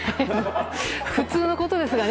普通のことですがね。